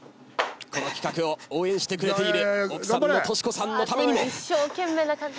この企画を応援してくれている奥さんの俊子さんのためにも。